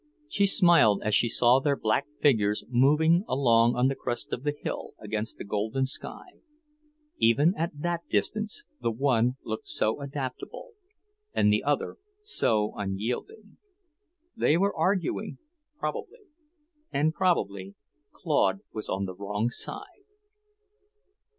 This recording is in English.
She smiled as she saw their black figures moving along on the crest of the hill against the golden sky; even at that distance the one looked so adaptable, and the other so unyielding. They were arguing, probably, and probably Claude was on the wrong side.